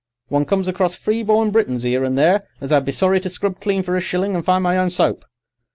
One comes across Freeborn Britons 'ere and there as I'd be sorry to scrub clean for a shillin' and find my own soap."